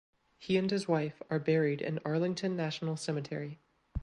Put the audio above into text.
He and his wife are buried in Arlington National Cemetery.